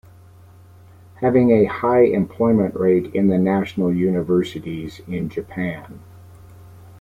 Having a high employment rate in the national universities in Japan.